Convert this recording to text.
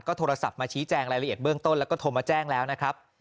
โทรศัพท์มาชี้แจงรายละเอียดเบื้องต้นแล้วก็โทรมาแจ้งแล้วนะครับ